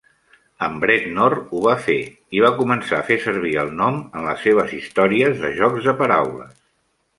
En Bretnor ho va fer, i va començar a fer servir el nom en les seves històries de jocs de paraules.